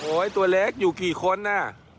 ตัวเล็กอยู่กี่คนน่ะ